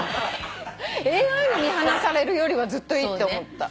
ＡＩに見放されるよりはずっといいって思った。